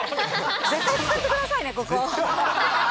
絶対使ってくださいね、ここ。